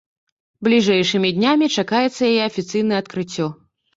Бліжэйшымі днямі чакаецца яе афіцыйнае адкрыццё.